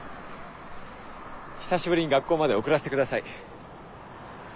久しぶりに学校まで送らせてください。